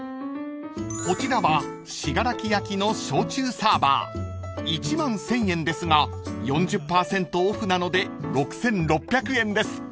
［こちらは信楽焼の焼酎サーバー］［１万１，０００円ですが４０％オフなので６，６００円です］